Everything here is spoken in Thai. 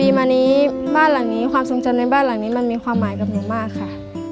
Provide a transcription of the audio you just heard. มานี้บ้านหลังนี้ความทรงจำในบ้านหลังนี้มันมีความหมายกับหนูมากค่ะ